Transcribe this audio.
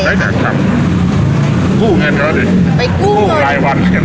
กล้าอย่างความเงินเงินเรื่อยไปกู้เงินไปกู้รายวัน